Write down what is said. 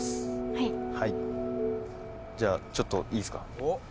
はいはいじゃあちょっといいですか？